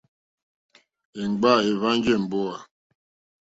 Èmgbâ èhwánjì èmbówà.